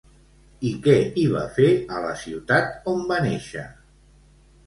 I què hi va fer a la ciutat on va néixer?